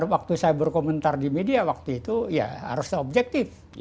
waktu saya berkomentar di media waktu itu ya harus objektif